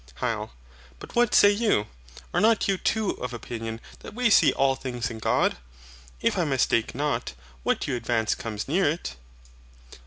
HYL. But what say you? Are not you too of opinion that we see all things in God? If I mistake not, what you advance comes near it.